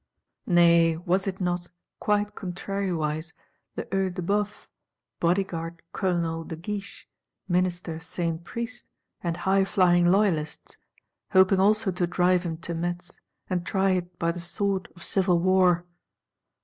Nay was it not, quite contrariwise, the Œil de Bœuf, Bodyguard Colonel de Guiche, Minister Saint Priest and highflying Loyalists; hoping also to drive him to Metz; and try it by the sword of civil war?